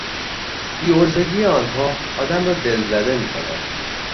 بیعرضگی آنها آدم را دلزده میکند.